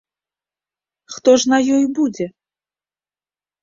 Хто ж на ёй будзе?